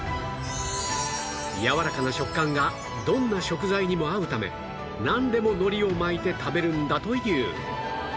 やわらかな食感がどんな食材にも合うためなんでも海苔を巻いて食べるのだという